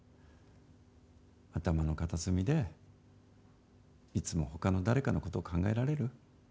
頭の片隅で、いつもほかの誰かのことを考えられる。